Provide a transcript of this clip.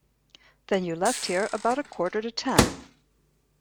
Then you left here about a quarter to ten.